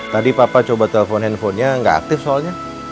tadi papa coba telepon handphonenya nggak aktif soalnya